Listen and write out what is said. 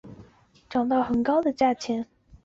高品质的中国笔筒可以涨到很高的价格。